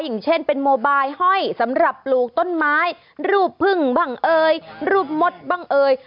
อย่างเช่นเป็นโมบายห้อยสำหรับปลูกต้นไม้รูปพึ่งบ้างเอ่ยรูปมดบ้างเอ่ย